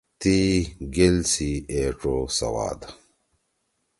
تی گیل سی اے ڇو سواد۔